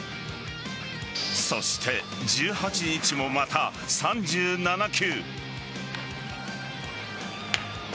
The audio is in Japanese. そして１８日もまた３７球。